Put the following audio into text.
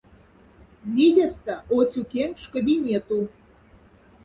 Видеста — оцю кенкш кабинету.